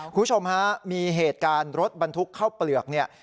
คุณผู้ชมฮะมีเหตุการณ์รถบรรทุกเข้าเปลือกเนี่ย